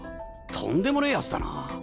とんでもねぇヤツだな！